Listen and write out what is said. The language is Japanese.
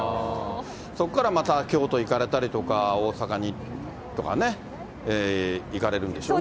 そこからまた京都へ行かれたりとか、大阪にとかね、行かれるんでしょうね。